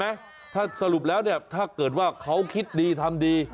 เออเห็นไหมสรุปแล้วเนี่ยถ้าเกิดว่าเขาคิดดีทำดี